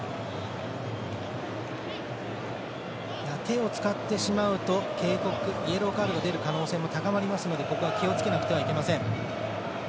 手を使ってしまうと警告、イエローカードが出る可能性が高まりますので、ここは気をつけなければいけません。